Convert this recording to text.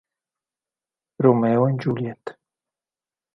Romeo and Juliet